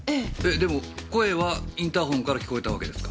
でも声はインターホンから聞こえたわけですか？